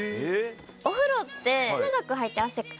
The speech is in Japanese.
お風呂って。